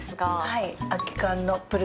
はい。